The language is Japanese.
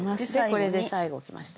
これで最後置きましたね。